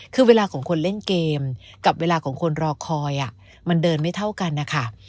คือเวลาของคนเล่นเกมกับเวลาของคนรอคอยมันเดินไม่เท่ากันนะคะ